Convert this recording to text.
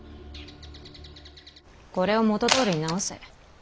これを元どおりに直せ。